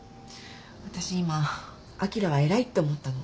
私今あきらは偉いって思ったの。